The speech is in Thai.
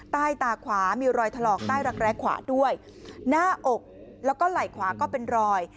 ใต้ตาขวามีรอยถลอกใต้รักแร้ขวาด้วยหน้าอกแล้วก็ไหล่ขวาก็เป็นรอย